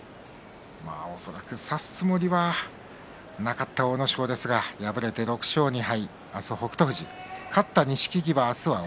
恐らく差すつもりはなかった阿武咲ですが敗れて６勝２敗。